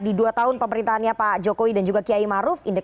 di dua tahun pemerintahnya pak jokowi dan juga kiai maruf